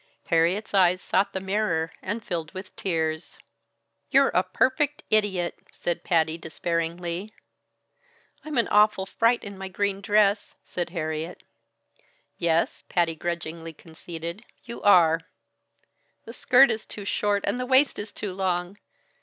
Harriet's eyes sought the mirror, and filled with tears. "You're a perfect idiot!" said Patty, despairingly. "I'm an awful fright in my green dress," said Harriet. "Yes," Patty grudgingly conceded. "You are." "The skirt is too short, and the waist is too long."